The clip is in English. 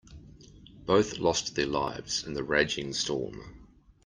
Both lost their lives in the raging storm.